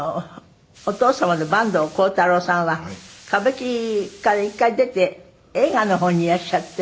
お父様の坂東好太郎さんは歌舞伎から一回出て映画の方にいらっしゃって。